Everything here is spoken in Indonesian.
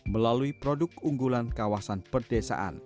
melalui produk unggulan kawasan perdesaan